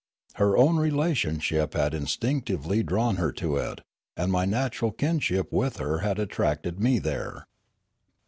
Her own relation ship had instinctively drawn her to it, and my natural kinship with her had attracted me there.